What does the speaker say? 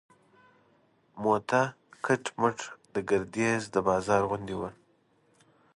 موته کټ مټ د ګردیز د بازار غوندې و.